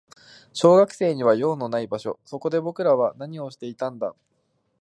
小学生には用のない場所。そこで僕らは何をしていたんだ。